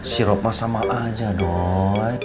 sipropnya sama aja doi